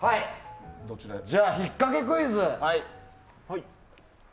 じゃあひっかけクイズ。